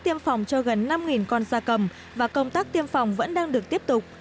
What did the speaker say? tiêm phòng cho gần năm con da cầm và công tác tiêm phòng vẫn đang được tiếp tục